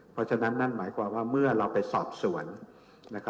เพราะฉะนั้นนั่นหมายความว่าเมื่อเราไปสอบสวน